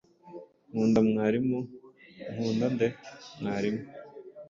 Nkunda mwarimu. Nkunda nde? Mwarimu